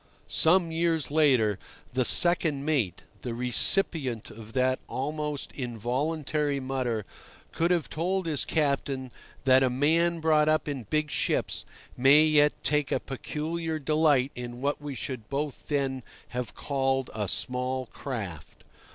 Some years later, the second mate, the recipient of that almost involuntary mutter, could have told his captain that a man brought up in big ships may yet take a peculiar delight in what we should both then have called a small craft.